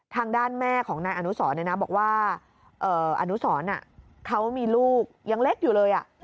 ทางด้านแม่ของนายอนุสรบอกว่าอนุสรเขามีลูกยังเล็กอยู่เลย